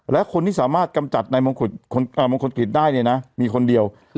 และคนที่สามารถกำจัดในมงคลกิจได้เนี่ยนะมีคนเดียว